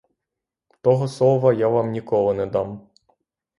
Того слова я вам ніколи не дам.